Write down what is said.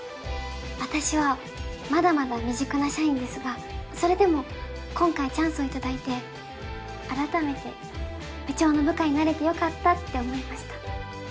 私はまだまだ未熟な社員ですがそれでも今回チャンスをいただいて改めて部長の部下になれてよかったって思いました